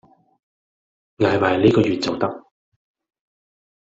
捱埋呢個月就得